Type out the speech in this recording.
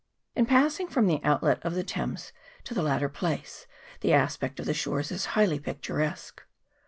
In passing from the out let of the Thames to the latter place the aspect of the shores is highly picturesque.